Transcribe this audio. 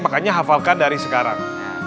makanya hafalkan dari sekarang